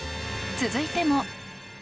続いても。